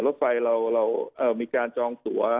รถไฟเรามีการจองตัว